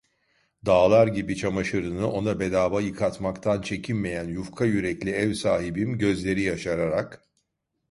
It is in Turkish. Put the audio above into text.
Dağlar gibi çamaşırını ona bedava yıkatmaktan çekinmeyen yufka yürekli ev sahibim gözleri yaşararak…